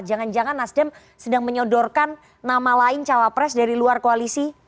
jangan jangan nasdem sedang menyodorkan nama lain cawapres dari luar koalisi